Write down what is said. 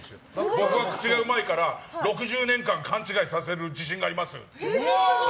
僕は口がうまいから６０年間勘違いさせる自信がありますと。